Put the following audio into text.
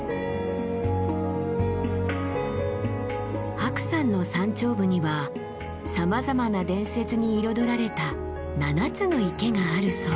白山の山頂部にはさまざまな伝説に彩られた７つの池があるそう。